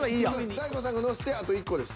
大悟さんが載せてあと１個です。